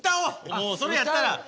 もうそれやったら。歌う？